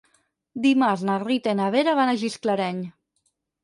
Dimarts na Rita i na Vera van a Gisclareny.